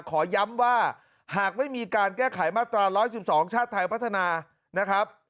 ขอย้ำว่าหากไม่มีการแก้ไขมาตรา๑๑๒ชาติไทยพัฒนานะครับ